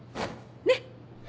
ねっ！